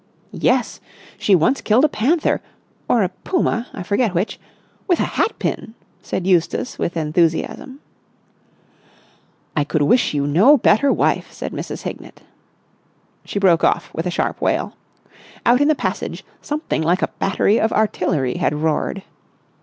"Yes! She once killed a panther—or a puma, I forget which—with a hat pin!" said Eustace with enthusiasm. "I could wish you no better wife!" said Mrs. Hignett. She broke off with a sharp wail. Out in the passage something like a battery of artillery had roared.